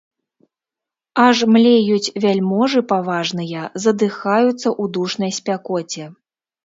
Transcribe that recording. Аж млеюць вяльможы паважныя, задыхаюцца ў душнай спякоце.